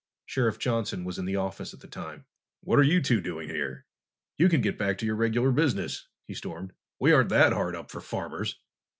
Sheriff Johnson was in the office at the time. "What are you two doing here? You can get back to your regular business," he stormed. "We aren't that hard up for farmers!"